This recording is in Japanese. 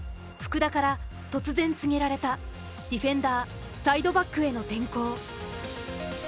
福田から突然告げられたディフェンダーサイドバックへの転向。